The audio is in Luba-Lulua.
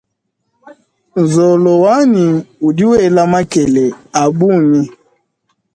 Nzolo wanyi udi wela makele abunyi.